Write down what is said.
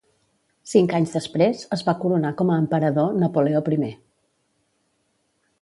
Cinc anys després, es va coronar com a emperador Napoleó I.